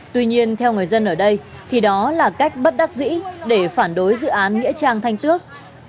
tuy nhiên theo người dân ở đây thì đó là cách bất đắc dĩ để phản đối dự án nghĩa trang thanh tước